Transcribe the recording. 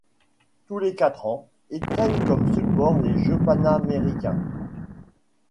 Tous les quatre ans, ils prennent comme support les Jeux panaméricains.